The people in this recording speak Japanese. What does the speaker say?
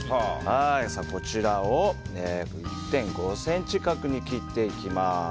こちらを１．５ｃｍ角に切っていきます。